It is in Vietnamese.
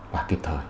và kịp thời